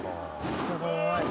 すごーい。